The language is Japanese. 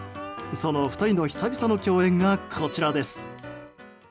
その２人の久々の共演がこちらです。